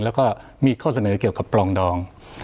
แล้วก็มีข้อเสนอเกี่ยวกับปลองดอง